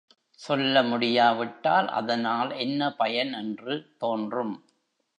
சொல்ல முடியாவிட்டால் அதனால் என்ன பயன் என்று தோன்றும்.